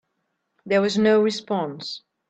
There was no response.